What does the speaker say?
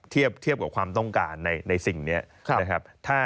เทียบกับความต้องการในสิ่งนี้นะครับ